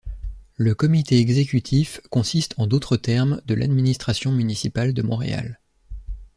Le Comité exécutif consiste en d'autres termes de l'administration municipale de Montréal.